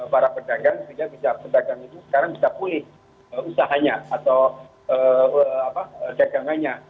karena para pedagang sehingga bisa pedagang itu sekarang bisa pulih usahanya atau dagangannya